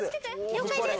了解です。